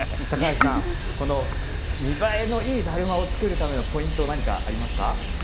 高橋さん、この見栄えのいいだるまを作るためのポイント、何かあ